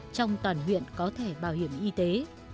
trong toàn huyện có thẻ bảo hiểm y tế